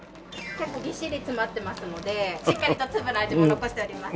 結構ぎっしり詰まってますのでしっかりと粒の味も残しております。